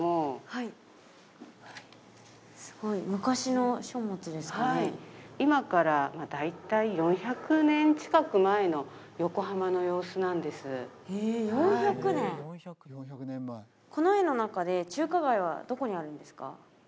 はい今から大体４００年近く前の横浜の様子なんですへえ４００年この絵の中で中華街はどこにあるんですか？